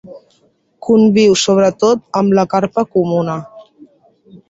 Conviu sobretot amb la carpa comuna.